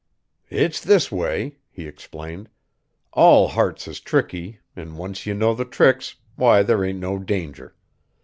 "It's this way," he explained, "all hearts is tricky, an' once ye know the tricks, why, there ain't no danger.